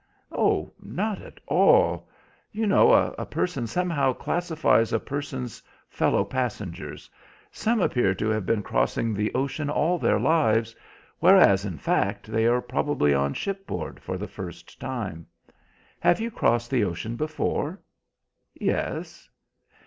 "Oh, not at all. You know, a person somehow classifies a person's fellow passengers. Some appear to have been crossing the ocean all their lives, whereas, in fact, they are probably on shipboard for the first time. Have you crossed the ocean before?" "Yes."